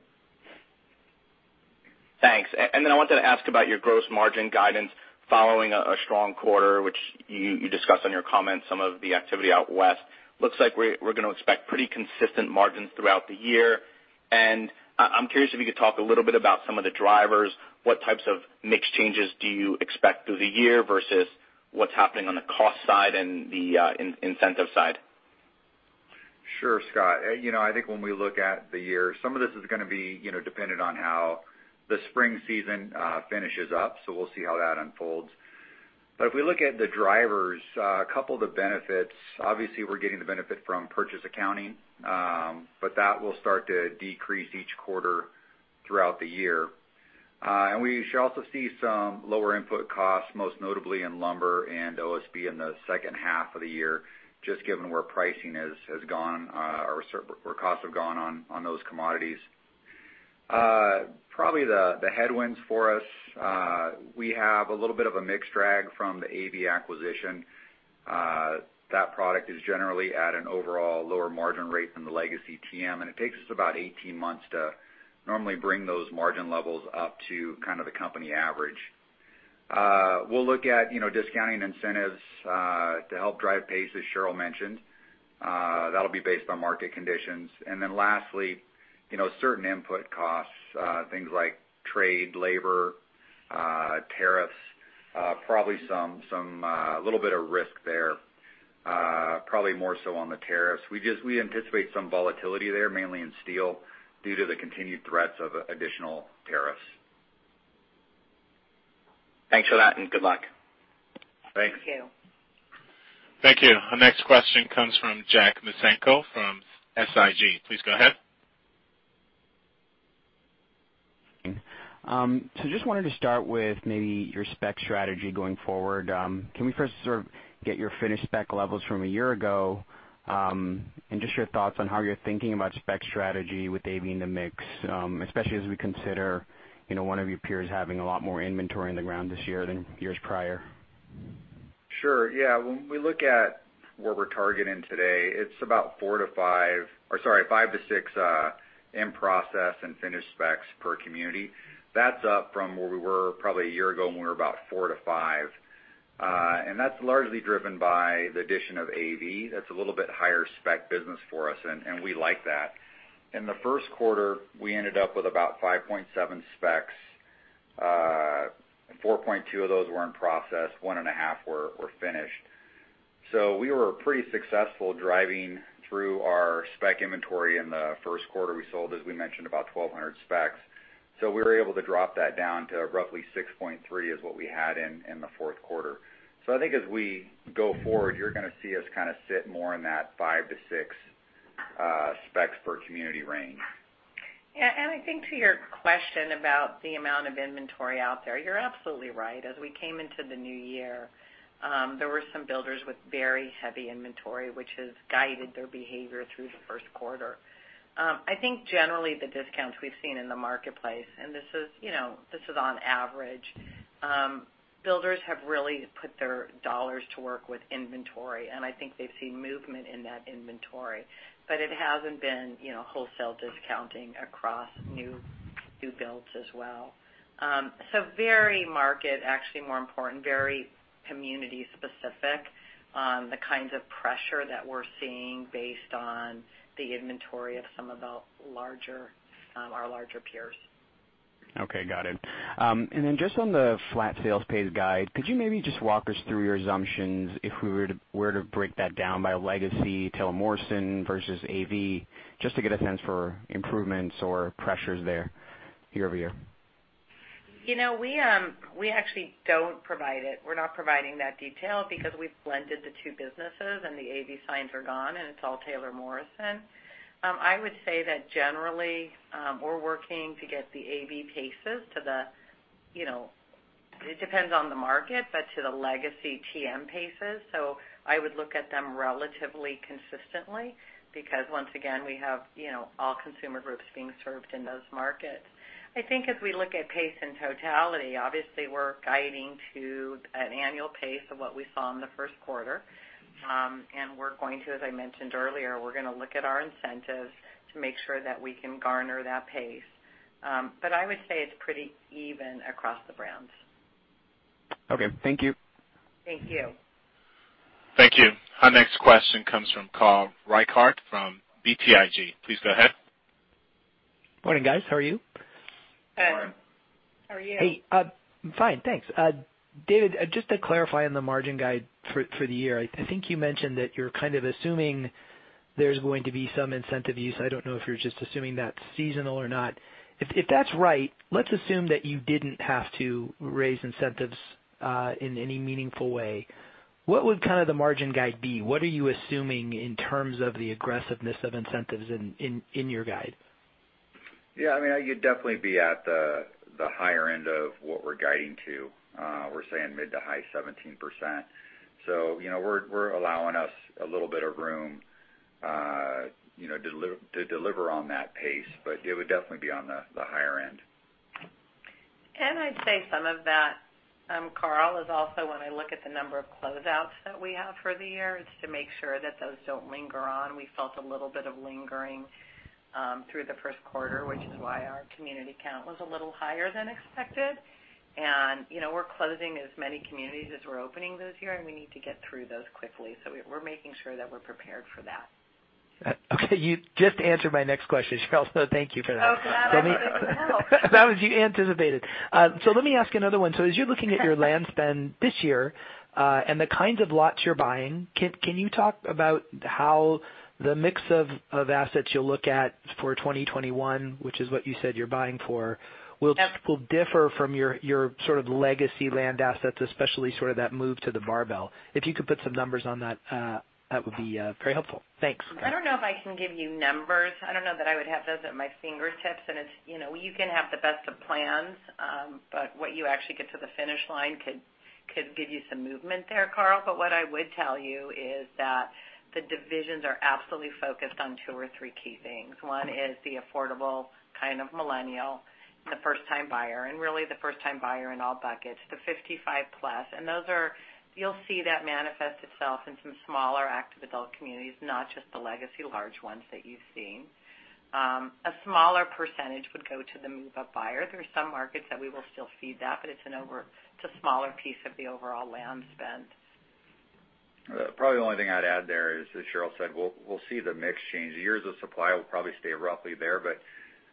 Thanks. And then I wanted to ask about your gross margin guidance following a strong quarter, which you discussed on your comments, some of the activity out west. Looks like we're going to expect pretty consistent margins throughout the year. And I'm curious if you could talk a little bit about some of the drivers. What types of mixed changes do you expect through the year versus what's happening on the cost side and the incentive side? Sure, Scott. I think when we look at the year, some of this is going to be dependent on how the spring season finishes up, so we'll see how that unfolds. But if we look at the drivers, a couple of the benefits, obviously, we're getting the benefit from purchase accounting, but that will start to decrease each quarter throughout the year. And we should also see some lower input costs, most notably in lumber and OSB in the second half of the year, just given where pricing has gone or where costs have gone on those commodities. Probably the headwinds for us, we have a little bit of a mixed drag from the AV acquisition. That product is generally at an overall lower margin rate than the legacy TM, and it takes us about 18 months to normally bring those margin levels up to kind of the company average. We'll look at discounting incentives to help drive pace, as Sheryl mentioned. That'll be based on market conditions. And then lastly, certain input costs, things like trade, labor, tariffs, probably a little bit of risk there, probably more so on the tariffs. We anticipate some volatility there, mainly in steel, due to the continued threats of additional tariffs. Thanks for that, and good luck. Thanks. Thank you. Thank you. Our next question comes from Jack Micenko from SIG. Please go ahead. So just wanted to start with maybe your spec strategy going forward. Can we first sort of get your finished spec levels from a year ago and just your thoughts on how you're thinking about spec strategy with AV in the mix, especially as we consider one of your peers having a lot more inventory on the ground this year than years prior? Sure. Yeah. When we look at where we're targeting today, it's about four to five—or sorry, five to six in-process and finished specs per community. That's up from where we were probably a year ago when we were about four to five, and that's largely driven by the addition of AV. That's a little bit higher spec business for us, and we like that. In the Q1, we ended up with about 5.7 specs. 4.2 of those were in process. One and a half were finished. So we were pretty successful driving through our spec inventory in the Q1. We sold, as we mentioned, about 1,200 specs. So we were able to drop that down to roughly 6.3, which is what we had in the Q4. So I think as we go forward, you're going to see us kind of sit more in that five to six specs per community range. Yeah. And I think to your question about the amount of inventory out there, you're absolutely right. As we came into the new year, there were some builders with very heavy inventory, which has guided their behavior through the Q1. I think generally the discounts we've seen in the marketplace, and this is on average, builders have really put their dollars to work with inventory, and I think they've seen movement in that inventory. But it hasn't been wholesale discounting across new builds as well. So very market-specific, actually more important, very community-specific on the kinds of pressure that we're seeing based on the inventory of some of our larger peers. Okay. Got it. And then just on the flat sales pace guide, could you maybe just walk us through your assumptions if we were to break that down by legacy, Taylor Morrison versus AV, just to get a sense for improvements or pressures there year-over-year? We actually don't provide it. We're not providing that detail because we've blended the two businesses, and the AV signs are gone, and it's all Taylor Morrison. I would say that generally we're working to get the AV paces to the, it depends on the market, but to the legacy TM paces. So I would look at them relatively consistently because, once again, we have all consumer groups being served in those markets. I think as we look at pace in totality, obviously, we're guiding to an annual pace of what we saw in the Q1, and we're going to, as I mentioned earlier, we're going to look at our incentives to make sure that we can garner that pace, but I would say it's pretty even across the brands. Okay. Thank you. Thank you. Thank you. Our next question comes from Carl Reichardt from BTIG. Please go ahead. Morning, guys. How are you? Good. Morning. How are you? Hey. I'm fine. Thanks. David, just to clarify on the margin guide for the year, I think you mentioned that you're kind of assuming there's going to be some incentive use. I don't know if you're just assuming that's seasonal or not. If that's right, let's assume that you didn't have to raise incentives in any meaningful way. What would kind of the margin guide be? What are you assuming in terms of the aggressiveness of incentives in your guide? Yeah. I mean, you'd definitely be at the higher end of what we're guiding to. We're saying mid- to high 17%. So we're allowing us a little bit of room to deliver on that pace, but it would definitely be on the higher end. And I'd say some of that, Carl, is also when I look at the number of closeouts that we have for the year, it's to make sure that those don't linger on. We felt a little bit of lingering through the Q1, which is why our community count was a little higher than expected. And we're closing as many communities as we're opening this year, and we need to get through those quickly. So we're making sure that we're prepared for that. Okay. You just answered my next question, Sheryl, so thank you for that. Oh, congratulations. Wow. That was as you anticipated. So let me ask another one. So as you're looking at your land spend this year and the kinds of lots you're buying, can you talk about how the mix of assets you'll look at for 2021, which is what you said you're buying for, will differ from your sort of legacy land assets, especially sort of that move to the barbell? If you could put some numbers on that, that would be very helpful. Thanks. I don't know if I can give you numbers. I don't know that I would have those at my fingertips, and you can have the best of plans, but what you actually get to the finish line could give you some movement there, Carl, but what I would tell you is that the divisions are absolutely focused on two or three key things. One is the affordable kind of millennial and the first-time buyer, and really the first-time buyer in all buckets, the 55-plus, and you'll see that manifest itself in some smaller active adult communities, not just the legacy large ones that you've seen. A smaller percentage would go to the move-up buyer. There are some markets that we will still feed that, but it's a smaller piece of the overall land spend. Probably the only thing I'd add there is, as Sheryl said, we'll see the mix change. Years of supply will probably stay roughly there, but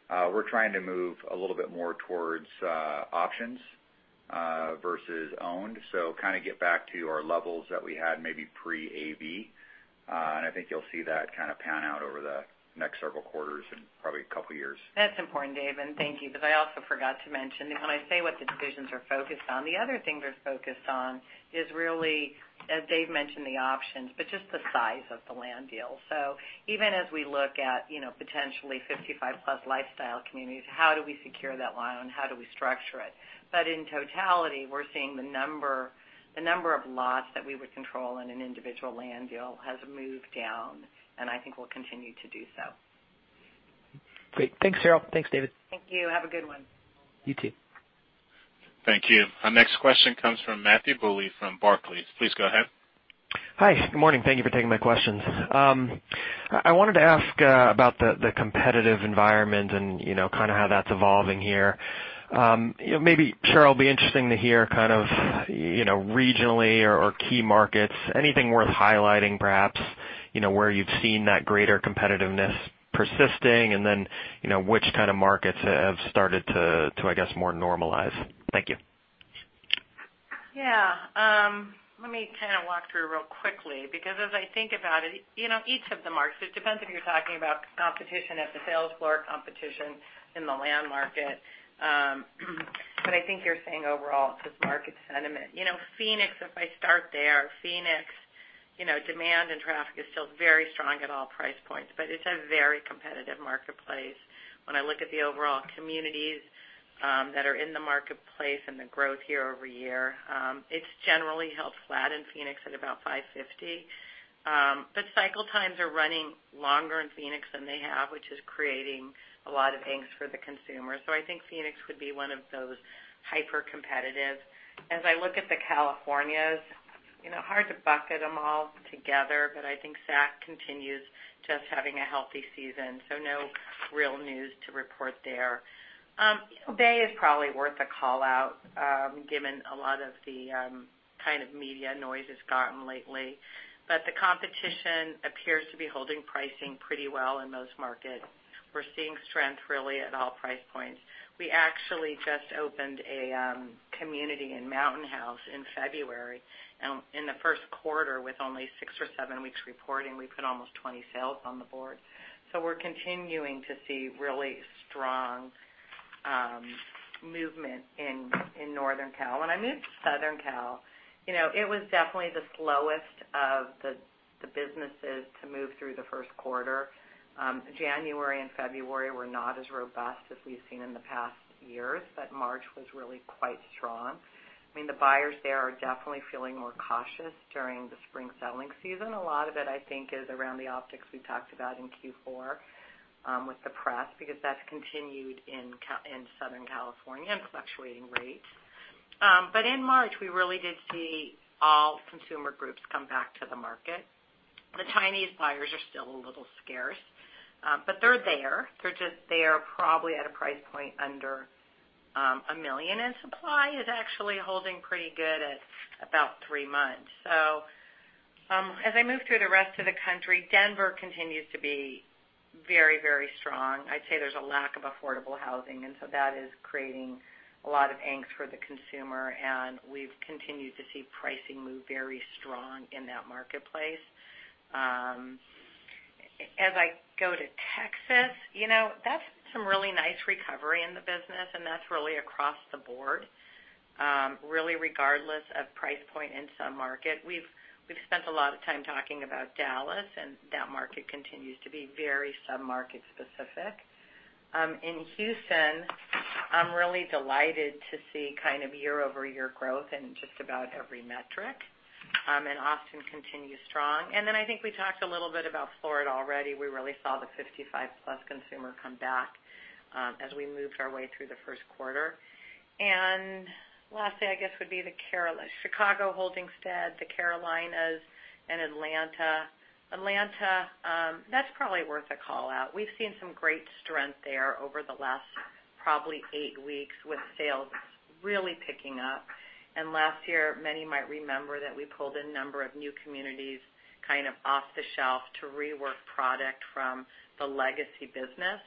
we're trying to move a little bit more towards options versus owned, so kind of get back to our levels that we had maybe pre-AV, and I think you'll see that kind of pan out over the next several quarters and probably a couple of years. That's important, Dave, and thank you, but I also forgot to mention that when I say what the divisions are focused on, the other thing they're focused on is really, as Dave mentioned, the options, but just the size of the land deal, so even as we look at potentially 55-plus lifestyle communities, how do we secure that line? How do we structure it, but in totality, we're seeing the number of lots that we would control in an individual land deal has moved down, and I think we'll continue to do so. Great. Thanks, Sheryl. Thanks, David. Thank you. Have a good one. You too. Thank you. Our next question comes from Matthew Bouley from Barclays. Please go ahead. Hi. Good morning. Thank you for taking my questions. I wanted to ask about the competitive environment and kind of how that's evolving here. Maybe, Sheryl, it'll be interesting to hear kind of regionally or key markets, anything worth highlighting, perhaps, where you've seen that greater competitiveness persisting, and then which kind of markets have started to, I guess, more normalize. Thank you. Yeah. Let me kind of walk through real quickly because as I think about it, each of the markets, it depends if you're talking about competition at the sales floor or competition in the land market. But I think you're saying overall, it's just market sentiment. Phoenix, if I start there, Phoenix demand and traffic is still very strong at all price points, but it's a very competitive marketplace. When I look at the overall communities that are in the marketplace and the growth year-over-year, it's generally held flat in Phoenix at about 550. But cycle times are running longer in Phoenix than they have, which is creating a lot of angst for the consumer. So I think Phoenix would be one of those hyper-competitive. As I look at the California's, hard to bucket them all together, but I think SAC continues just having a healthy season. So no real news to report there. Bay Area is probably worth a call out given a lot of the kind of media noise has gotten lately. But the competition appears to be holding pricing pretty well in most markets. We're seeing strength really at all price points. We actually just opened a community in Mountain House in February. And in the Q1, with only six or seven weeks reporting, we put almost 20 sales on the board. So we're continuing to see really strong movement in Northern Cal. When I moved to Southern Cal, it was definitely the slowest of the businesses to move through the Q1. January and February were not as robust as we've seen in the past years, but March was really quite strong. I mean, the buyers there are definitely feeling more cautious during the spring selling season. A lot of it, I think, is around the optics we talked about in Q4 with the press because that's continued in Southern California and fluctuating rates. But in March, we really did see all consumer groups come back to the market. The Chinese buyers are still a little scarce, but they're there. They're just there probably at a price point under a million, and supply is actually holding pretty good at about three months. So as I move through the rest of the country, Denver continues to be very, very strong. I'd say there's a lack of affordable housing, and so that is creating a lot of angst for the consumer. And we've continued to see pricing move very strong in that marketplace. As I go to Texas, that's some really nice recovery in the business, and that's really across the board, really regardless of price point in some market. We've spent a lot of time talking about Dallas, and that market continues to be very sub-market specific. In Houston, I'm really delighted to see kind of year-over-year growth in just about every metric. Austin continues strong. Then I think we talked a little bit about Florida already. We really saw the 55-plus consumer come back as we moved our way through the Q1. Lastly, I guess, would be the Carolinas, Chicago holding steady, the Carolinas, and Atlanta. Atlanta, that's probably worth a call out. We've seen some great strength there over the last probably eight weeks with sales really picking up. Last year, many might remember that we pulled a number of new communities kind of off the shelf to rework product from the legacy business.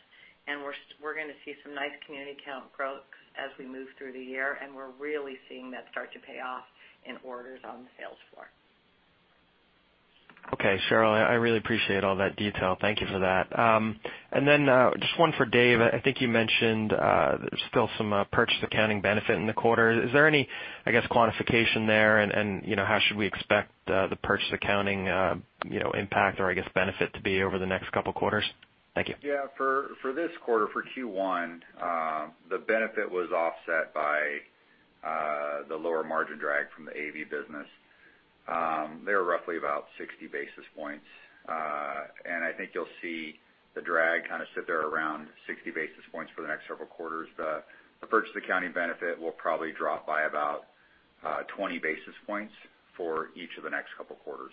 We're going to see some nice community count growth as we move through the year. We're really seeing that start to pay off in orders on the sales floor. Okay. Sheryl, I really appreciate all that detail. Thank you for that. And then just one for Dave. I think you mentioned there's still some purchase accounting benefit in the quarter. Is there any, I guess, quantification there? And how should we expect the purchase accounting impact or, I guess, benefit to be over the next couple of quarters? Thank you. Yeah. For this quarter, for Q1, the benefit was offset by the lower margin drag from the AV business. They were roughly about 60 basis points. And I think you'll see the drag kind of sit there around 60 basis points for the next several quarters. The purchase accounting benefit will probably drop by about 20 basis points for each of the next couple of quarters.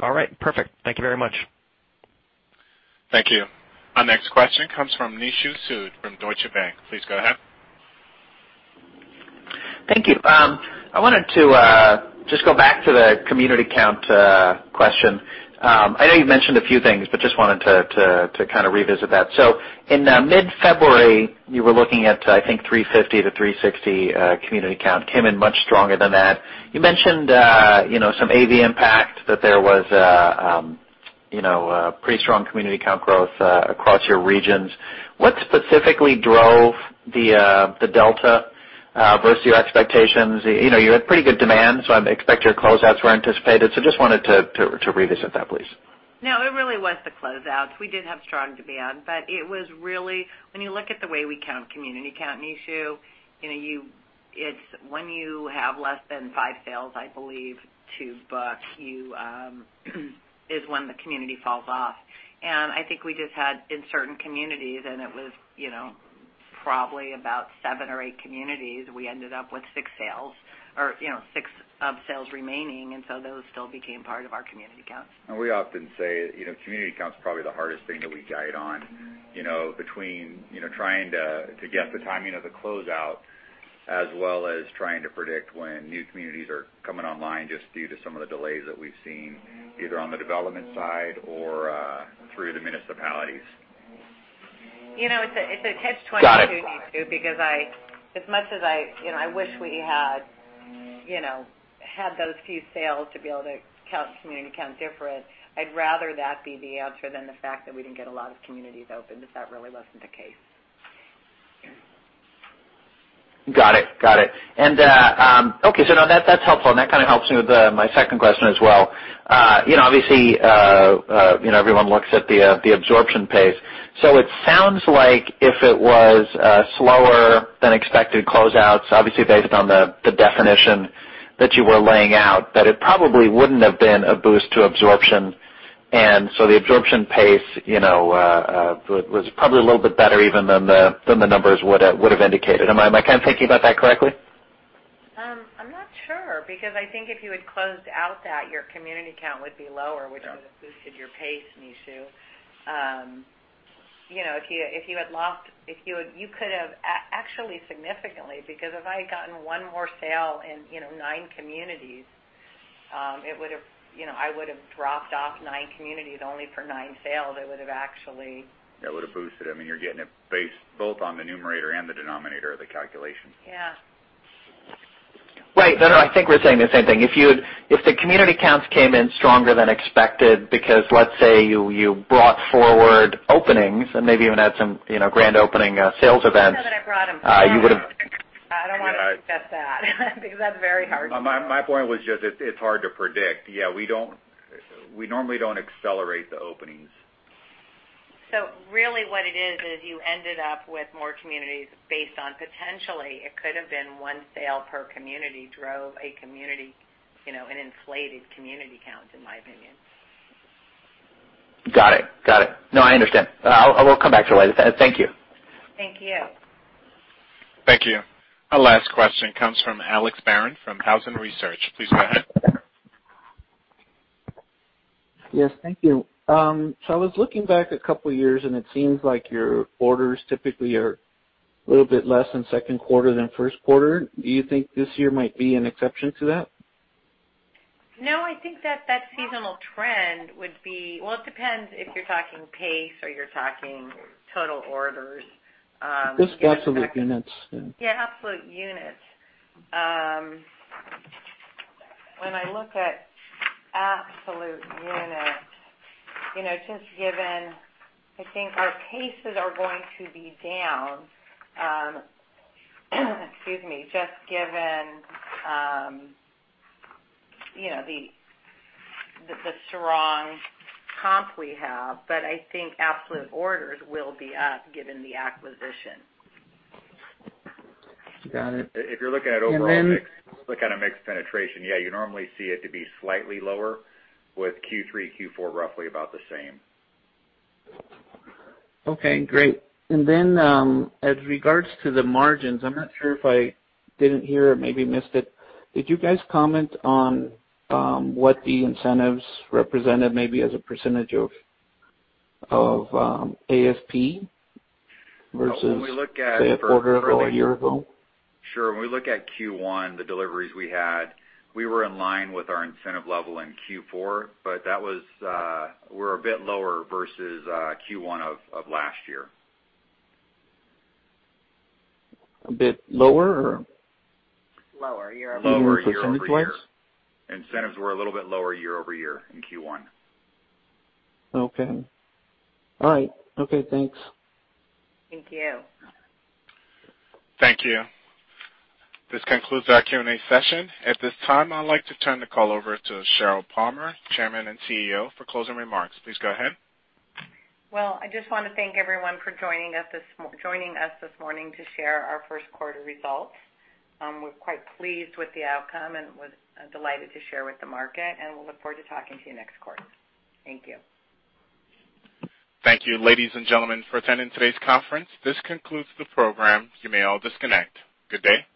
All right. Perfect. Thank you very much. Thank you. Our next question comes from Nishu Sood from Deutsche Bank. Please go ahead. Thank you. I wanted to just go back to the community count question. I know you mentioned a few things, but just wanted to kind of revisit that. So in mid-February, you were looking at, I think, 350-360 community count, came in much stronger than that. You mentioned some AV impact, that there was pretty strong community count growth across your regions. What specifically drove the delta versus your expectations? You had pretty good demand, so I expect your closeouts were anticipated. So just wanted to revisit that, please. No, it really was the closeouts. We did have strong demand, but it was really when you look at the way we count community count, Nishu, it's when you have less than five sales, I believe, to book, is when the community falls off. And I think we just had, in certain communities, and it was probably about seven or eight communities, we ended up with six sales or six of sales remaining. And so those still became part of our community counts. We often say community count's probably the hardest thing that we guide on between trying to get the timing of the closeout as well as trying to predict when new communities are coming online just due to some of the delays that we've seen, either on the development side or through the municipalities. It's a Catch-22. Got it. Because as much as I wish we had those few sales to be able to count community count different, I'd rather that be the answer than the fact that we didn't get a lot of communities open because that really wasn't the case. Got it. Got it. And okay. So now that's helpful. And that kind of helps me with my second question as well. Obviously, everyone looks at the absorption pace. So it sounds like if it was slower than expected closings, obviously based on the definition that you were laying out, that it probably wouldn't have been a boost to absorption. And so the absorption pace was probably a little bit better even than the numbers would have indicated. Am I kind of thinking about that correctly? I'm not sure because I think if you had closed out that, your community count would be lower, which would have boosted your pace, Nishu. If you had lost, you could have actually significantly because if I had gotten one more sale in nine communities, it would have dropped off nine communities only for nine sales. It would have actually. That would have boosted it. I mean, you're getting it based both on the numerator and the denominator of the calculation. Yeah. Right. I think we're saying the same thing. If the community counts came in stronger than expected because let's say you brought forward openings and maybe even had some grand opening sales events. I know that I brought them. You would have. I don't want to discuss that because that's very hard. My point was just it's hard to predict. Yeah. We normally don't accelerate the openings. So really what it is is you ended up with more communities based on potentially it could have been one sale per community drove a community, an inflated community count, in my opinion. Got it. Got it. No, I understand. We'll come back to it later. Thank you. Thank you. Thank you. Our last question comes from Alex Barron from Housing Research. Please go ahead. Yes. Thank you. So I was looking back a couple of years, and it seems like your orders typically are a little bit less in Q2 than Q1. Do you think this year might be an exception to that? No, I think that seasonal trend would be, well, it depends if you're talking pace or you're talking total orders. Just absolute units. Yeah. Absolute units. When I look at absolute units, just given I think our paces are going to be down, excuse me, just given the strong comp we have. But I think absolute orders will be up given the acquisition. Got it. If you're looking at overall mix. And then. Looking at a mixed penetration, yeah, you normally see it to be slightly lower with Q3, Q4 roughly about the same. Okay. Great. And then as regards to the margins, I'm not sure if I didn't hear or maybe missed it. Did you guys comment on what the incentives represented maybe as a percentage of ASP versus say a quarter ago, a year ago? Sure. When we look at Q1, the deliveries we had, we were in line with our incentive level in Q4, but we're a bit lower versus Q1 of last year. A bit lower or? Lower year-over-year. Incentives were a little bit lower year-over-year in Q1. Okay. All right. Okay. Thanks. Thank you. Thank you. This concludes our Q&A session. At this time, I'd like to turn the call over to Sheryl Palmer, Chairman and CEO, for closing remarks. Please go ahead. I just want to thank everyone for joining us this morning to share our Q1 results. We're quite pleased with the outcome and delighted to share with the market. We'll look forward to talking to you next quarter. Thank you. Thank you, ladies and gentlemen, for attending today's conference. This concludes the program. You may all disconnect. Good day.